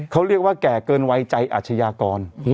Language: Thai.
เขาเรียกว่าแก่เกินวัยใจอาชญากร